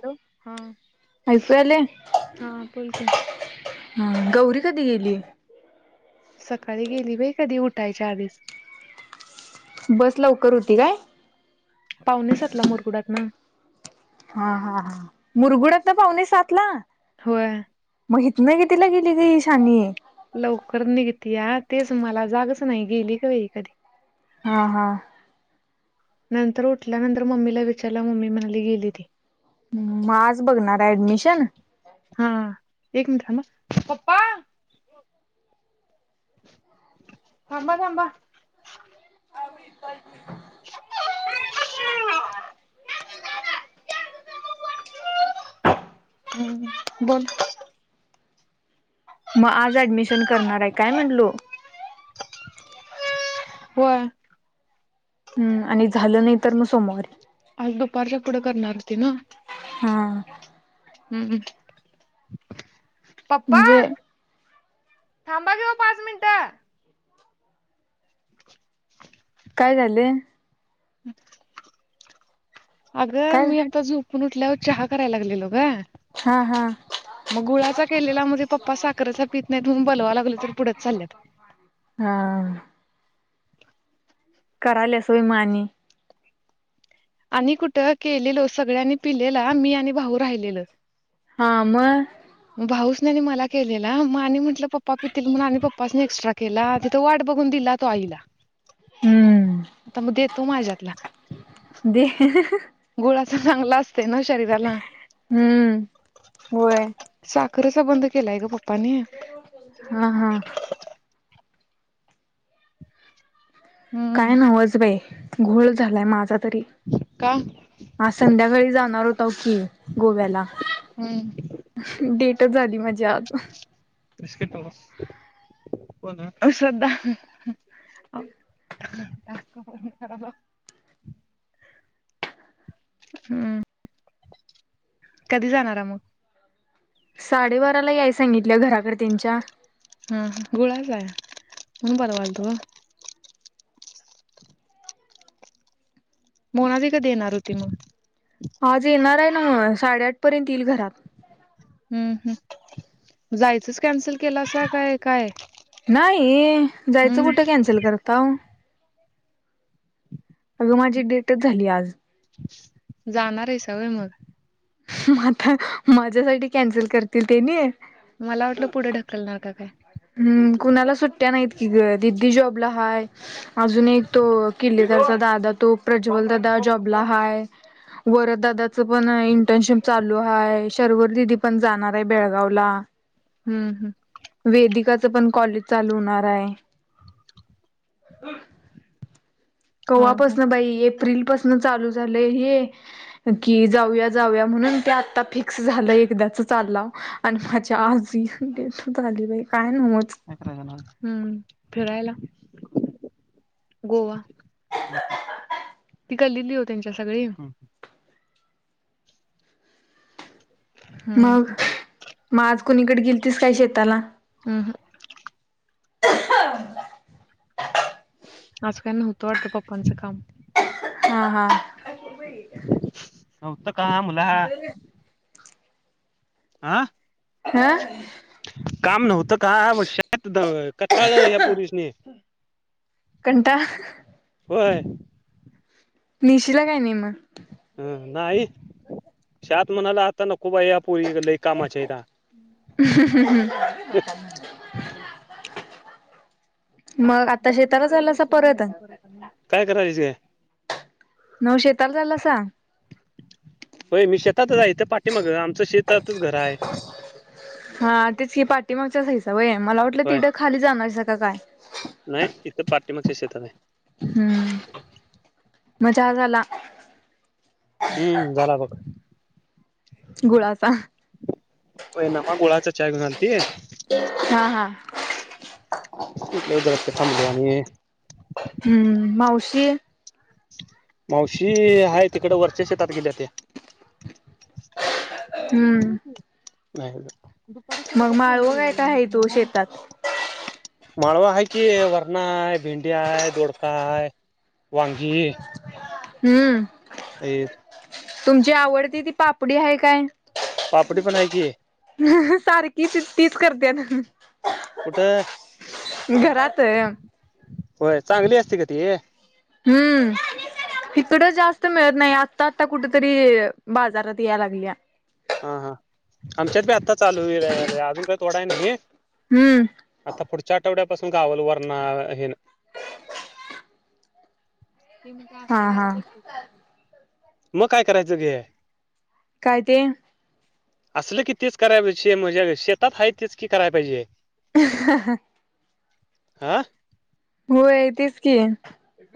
Hello हां. ऐकू आलय हां गौरी कधी गेली? सकाळी गेली बाई कधी उठायच्या आधीच. बस लवकर होती काय? पावणेसातला मुरगुडातन. हा हा हा मुरगुड्यातन पावणे सातला? होय. म हितंन कितीला गेली ग ही शानी? लवकर निघतीया तेच मला जागच नाही गेली का ही कधी? हां हां. नंतर उठल्यानंतर मम्मीला विचारलं मम्मी म्हणाली गेली ती. हम्म म आज बघणार ऍडमिशन? हां एक मिनट थांब हा पप्पा थांबा थांबा. [unintelligible] [unintelligible] [unintelligible] हम्म बोल. म आज ऍडमिशन करणार आहे काय म्हणलो? होय. हम्म आणि झालं नाही तर म सोमवारी. आज दुपारच्या पुढं करणार होती ना. हां. हम्म पप्पा. म्हणजे थांबा ग पाच मिनिटं. काय झालं? अगं काय मी आता झुप उठल्यावर चहा करायला लागलेलो ग. हा हा. मग गुळाचा केलेला, म्हणजे पप्पा साखरेचा पीत नाहीत, म्हनुन बोलवाला गेलो तर पुढच चालल्यात. हा. कराल्यास व्हय म आणि आणि कुठं केलेलो सगळ्यांनी पिलेला मी आणि भाऊ राहिलेलो. हा म भाऊस नि आणि मला केलेला, म आणि म्हटलं पप्पा पितील म्हणून, आणि पप्पासनी एक्स्ट्रा केला, तिथं वाट बघून दिलात. तो आईला, हम्म. आता म देतो माझ्यातला. दे गुळाचा चांगला असतय ना शरीराला हम्म होय. साख कधीचा बंंद केलाय ग पप्पानी हा हा. हम्म काय नव्हच बाई, घोळ झालाय माझा तरी. का? आज संध्याकाळी जाणार होताव की गोव्याला हमम. डेटच झाली माझी आज श्रद्धा हम्म. कधी जाणारय मग? साडेबाराला याय सांगितलय घराकडे त्यांच्या. हा गुळाचाय म्हणुन बोलवालतो. मोणाली कधी ऐणार होती मग? आज येणार आय नव्ह, साडेआठ पर्यंत येईल घरात हमम हम जायचंच कॅन्सल केलासा काय काय नाही, जायचं हम्म कुठं कॅन्सल करताव अगं माझी डेटच झाली आज जाणार आहेसा व्हय मग म आता, माझ्यासाठी कॅन्सल करतील ते नी मला वाटलं पुढे ढकलणार का काय? हमम कुणाला सुट्ट्या नाहीत की ग, दिदी जॉबला हाय अजून एक तो, किल्लेदारचा दादा तो, प्रज्वल दादा जॉबला हाय वरदादाच पण इंटर्नशिप चालू आहे, शर्वरी दिदी पण जाणार आहे बेळगावला हमम हम. वेदिकाचं पण कॉलेज चालू होणाराय. हा हा कव्हापासन बाई, एप्रिल पासन चालू झालंय हे कि जाऊया जाऊया म्हणून, ते आत्ता फिक्स झालं एकदाच चालाव. आणि माझ्या आज डेटच आली बाई, काय नव्हच. काय करायला हमम फिरायला गोवा ती गल्लीली ओ त्यांच्या सगळी मग म आज कोणीकड गेलतीस काय शेताला? हमम हम. आज काय नव्हतं वाटतं पप्पांचं काम हा हा. होत का मुला चल ये हा हा काम नव्हतं का आव शतात द कटाळल ह्या पोरीसनी. कंटाळा होय. नेशिला काय नी म. हं नाही शात म्हणाला आता नको बाई यां पोरी लई कामाच्या आहेता. [unintelligible] मग आता मला वाटलं शेताकंच चालासा बलवायची परत नंतर काय करायचेय? म शेताला चालासा होय मी शेतातच हाय इथ पाठीमाग आमचं शेतातच घर हाय. हा तेच की पाठीमागचाच हाईसा व्हय मला वाटलं तिडं खाली जाणारईसा का काय नाय इथं पाठीमागच्या शेतात हाय. हूं म चहा झाला हम्म झाला बघ गुळाचा व्हय नापा गुळाचा चहा घेऊन आलती. हा हा उठल्यावर जराप थांबलो आणि हम्म मावशी मावशी हाय तिकड वरच्या शेतात गेल्या त्या हम्म नाय नाय दुपारी मग सरबत करून माळवं काय आणलेला काय ना हाय तो तुम्हाला शेतात माळवा हाय की वरणा हाय, भेंडी हाय, दोडका हाय. वांगी हूं आहेत. तुमची आवडती ती पापडी हाय काय? पापडी पण हाय की, सारखी ती तीच करत्यात. कुठ इथं घरात आणलीत होय चांगली असते का ती हूं तिकड जास्त मिळत नाय आत्ता आता कुठ तरी बाजारात याय लागल्या. हा हा आमच्यात बी आत्ता चालू होईल अ अजून काय तोडाय नाही. हूं आता पुढच्या आठवड्यापासून गावाला वरणा हे न मी म्हटलं हा असलं हा सापां गत खाते, म काय करायचं गे काय ते असलं की तेच कराय पाहिजे शे म ज्य शेतात हाय तेच की कराय पाहिजे. [unintelligible] हा होय तेच की,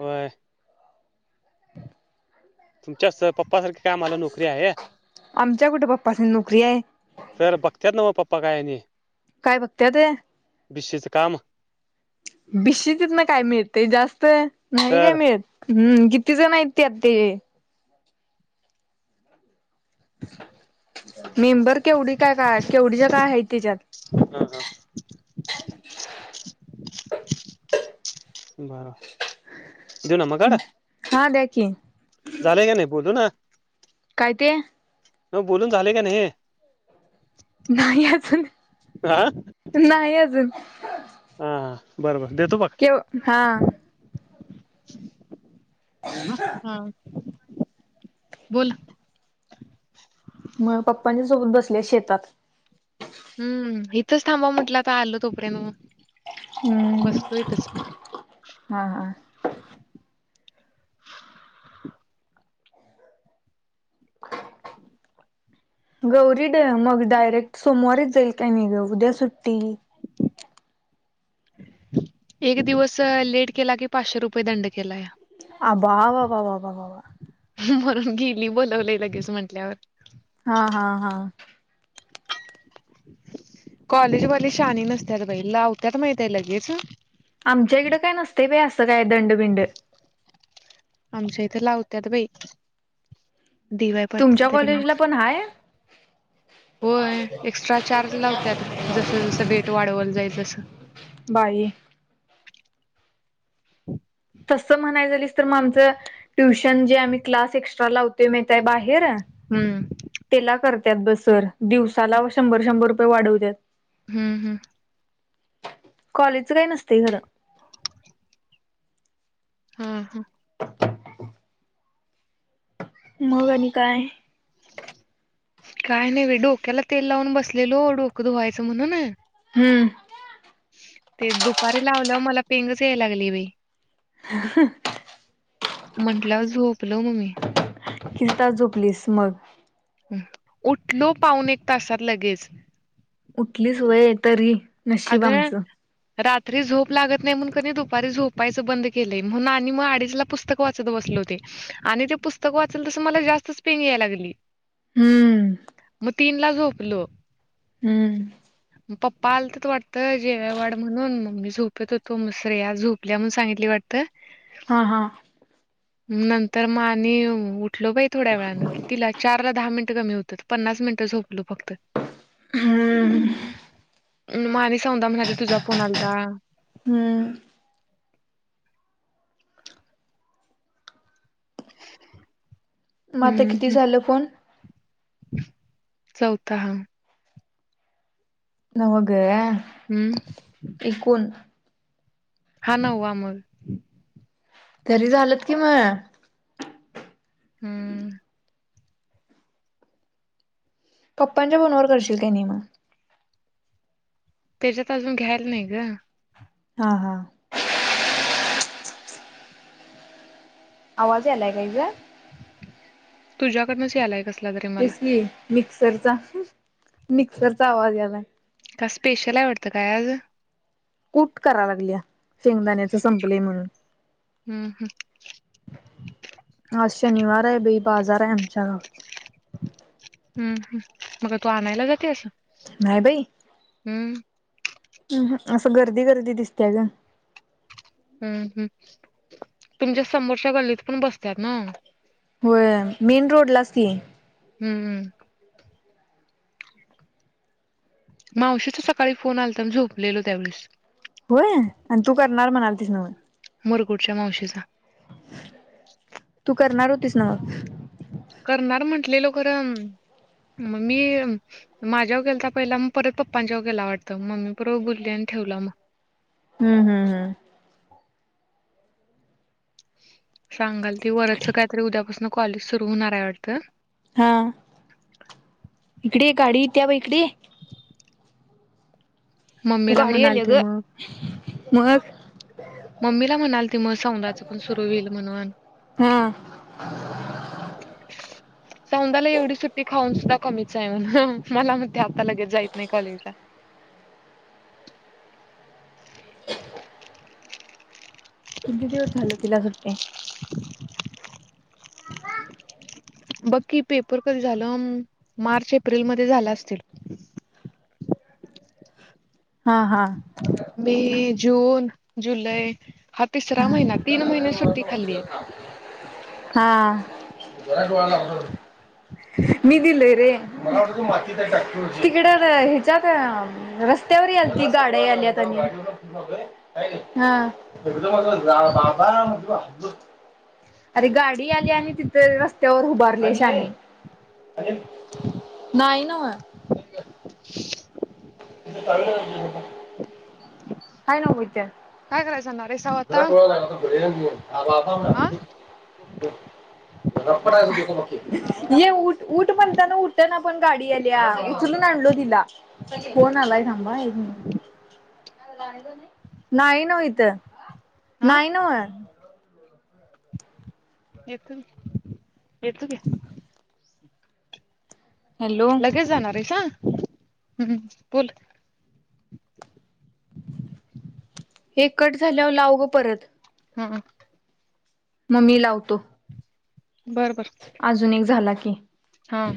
व्हय. तुमच्या पप्पा सारख काय आम्हाला नोकरी आहे. आमच्या कुठे पप्पासनी नोकरी आहे तर बघत्यात नव पप्पा काय आणि. काय बघत्यात वय. बीशीचं काम. बिशीतीतन काय मिळतय जास्त, नाही काय तर मिळत. हम्म, किती जण हाईत त्यात ही. [inaudible] मेंम्बर केवढी काय काय, केवढीच्या काय हाईत त्याच्यात? हा, हा. [inaudible] [inaudible] [unintelligible] हा द्या की [inaudible] झालंय का नाही बोलू ना. काय‌ ते? मग बोलून झाले का नाही? नाही अजून, हा नाही अजून. हा, हा बर बर देतो बघ. केव हा. [inaudible] हा. बोल. मग पप्पांच्या सोबत बसल्या शेतात. हम्म इथंच थांबा म्हटल्यात आल तोपर्यंत मग. हम्म हा, हा. गौरी डे मग डायरेक्ट सोमवारीच जाईल काय नाही ग उद्या सुट्टी. एक दिवस लेट केला कि पाचशे रुपये दंड केलाय. अ बा, बा, बा, बा, बा, बा, बा. म्हणून गेली बोलवलंय लगेच म्हंटल्यावर. हा, हा, हा. कॉलेज वाली शानी नसत्याात बाई लावत्यात माहितेय लगेच. आमच्या इकडं काय नसतं बाई असं काय दंड-बिंड. आमच्या इथे लावत्यात बाई, डी वाय तुमच्या पाटील कॉलेजला पण हाय होय एक्स्ट्रा चार्ज लावतात जस जसं डेट वाढवत जाईल तसं. बाई. तसं म्हणाय गेलीस तर मग आमचं ट्युशन जे आम्ही क्लास एक्स्ट्रा लावतोय माहिती हाय बाहेर. हम्म. तेला करत्यात बग सर दिवसाला शंभर-शंभर रुपये वाढत्यात. हम्, हम्. कॉलेजच काय नसतय खरं. हम्म, हम्. मग आणि काय? [inaudible] काय नाही बाई डोक्याला तेल लावून बसलेलो डोकं धुवायचं म्हणून. हम्म. ते दुपारी लावल्यावर मला पेंनच याय लागली बाई. ह. म्हंटल्यावर झोपलो मग मी. किती तास झोपलीस मग? उठलो पाउन एक तासात लगेच. उठलीस व्हय तरी अग. नशीब आमचं रात्री झोप लागत नाही म्हणून कनय दुपारी झोपायचं बंद केलंय म्हणून आणि मग अडीचला पुस्तक. वाचत बसले होते आणि ते पुस्तक वाचल तस मला जास्तच पेंग यायला लागली. हम्म. मग तीनला झोपलो. हम्म मग पप्पा आलत वाढतं जेवाय वाड म्हणून मग मी झोपेत होतो श्रेया झोपल्या म्हणून सांगितली वाटतं. हां हां. नंतर मग आणि उठलो बाई थोड्या वेळान, कीतीला चार चारला दहा मिनिटं कमी होते पन्नास मिनटं झोपलो फक्त. हम्म. माने सौदा म्हणाला तुझा फोन आलता. हम्म मग आता हम्म किती हम्म झालं फोन? चौथा हा. नव्ह ग. हम्म. एकुण. हा नववा मगं. तरी झालेत की मगं. हम्म. पप्पांच्या फोनवर करशील काय नाही मग? त्याज्यात अजून घ्यायला नाही गं. हां हां. आवाज यालाय काय ग? तुझ्याकडनंच यालाय कसं तेच की मिक्सरचा, मिक्सरचा आवाज यायलाय. का स्पेशल आहे वाढतं, काय आज. कूट करालागल्या शेंगदाण्याच संपलय म्हणून. हम्म हम्म आज शनिवार आहे बई, बाजार आहे आमच्या गावचा. हम्म, हम्म, मग काय तू आणायला जातेस? नाही बाई. हम्म. अह, असं गर्दी गर्दी दिसत्या गं. हम्म, हम्म, तुमच्या समोरच्या गल्लीत पण बसत्यात ना. होय, मेन रोडलाच की? हम्म मावशीचा सकाळी फोन आलता मी झोपलेलो त्यावेळेस. व्हय, आणि तू करणार म्हणालतीस नव्ह. मुरगुडच्या मावशीचा. तू करणार होतीस ना मग. करणार म्हंटलेलो खरं, मग मी माझ्यावर केलता पहिला मग परत पप्पांच्यावर केला वाटतं, मम्मी बरोबर बोलली आणि ठेवला मगं. हम्म हम्म. हम्म सांगाल ती वरद च काहीतरी उद्यापासून कॉलेज सुरू होणार आहे वाटतं. हां, इकडं ये गाडीे येत्या बघ इकडं ये. मम्मीला गाडी म्हणाल आल्या ते ग, मग मगं. मम्मीला म्हणालती मग सौदाचं पण सुरू होईल म्हणून. हा [unintelligible] [unintelligible] सौंधाला एवढी सुट्टी खाऊन सुद्धा कमीच आहे म्हण, मला म्हणत्या आता लगेच जाईत नाही कॉलेजला. किती दिवस झालं तिला सुट्टी हाय? बघ की पेपर कधी झालं. मार्च एप्रिल मध्ये झालं असतील. हां हां. मे जून जुलै ह तिसरा महिना तीन महिने सुट्टी खाल्लीये. हां मी दिलय रे तिकड ह्याच्यात रस्त्यावर याल ती गाड्या आल्यात हां [unintelligible] अरे गाडी आली आणि तिथे रस्त्यावर उभारले शहानी. नाही ना. [unintelligible] हाय ना इथ. काय करायला जाणार आहेस जरा आता डोळा लागला होता. ब्रेन युव. हा ये उठ. उठ म्हणताना उठना पण, गाडी आल्या उचलून आणलो तिला. फोन आलाय थांबा एक मिनिट. नाही ना ओ इथ हा नाही न येतो येतो की. हॅलो लगेच जाणार आहेसा? हम्म बोल. हे कट झाल्यावर लाव ग परत. हम्म मग मी लावतो. बर बर अजून एक झाला की. हां